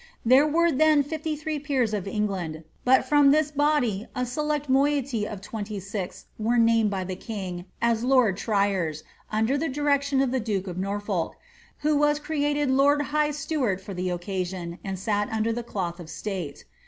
There were then fifty three peers of England, but from this body a selected moiety of twenty six were named by the king as ^' lords triers," under the direc tion of the duke of Norfolk, who was created lord high steward for the occasion, and sat under the cloth of state.